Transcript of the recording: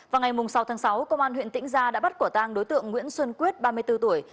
vào ngày sáu tháng sáu công an huyện tĩnh gia đã bắt quả tang đối tượng nguyễn xuân quyết ba mươi bốn tuổi